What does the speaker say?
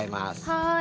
はい。